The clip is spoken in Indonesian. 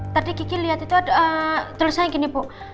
tadi kiki lihat itu tulisannya gini bu